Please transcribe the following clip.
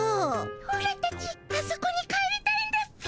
オラたちあそこに帰りたいんだっピ。